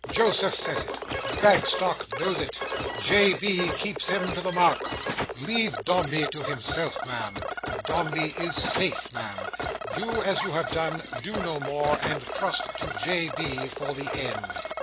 Joseph says it; Bagstock knows it; J. B. keeps him to the mark. Leave Dombey to himself, Ma'am. Dombey is safe, Ma'am. Do as you have done; do no more; and trust to J. B. for the end."